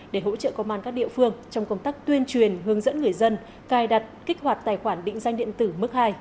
để hỗ trợ công an các địa phương trong công tác tuyên truyền hướng dẫn người dân cài đặt kích hoạt tài khoản định danh điện tử mức hai